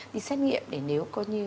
đi xét nghiệm để nếu có như